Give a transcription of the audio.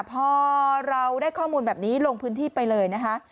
พอเราได้ข้อมูลแบบนี้ลงพื้นที่ไปเลยนะคะ